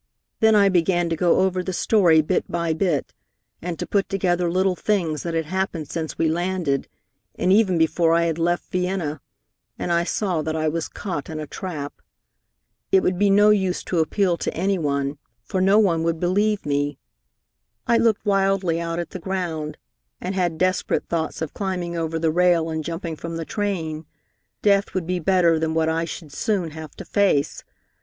Then I began to go over the story bit by bit, and to put together little things that had happened since we landed, and even before I had left Vienna; and I saw that I was caught in a trap. It would be no use to appeal to any one, for no one would believe me. I looked wildly out at the ground and had desperate thoughts of climbing over the rail and jumping from the train. Death would be better than what I should soon have to face.